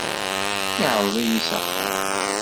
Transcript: Iɛreḍ-iyi s axxam.